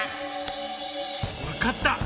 分かった。